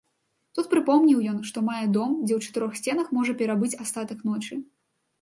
Тут прыпомніў ён, што мае дом, дзе ў чатырох сценах можа перабыць астатак ночы.